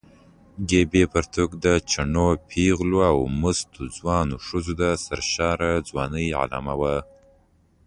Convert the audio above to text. ګیبي پرتوګ د چټو پېغلو او مستو ځوانو ښځو د سرشاره ځوانۍ علامه وه.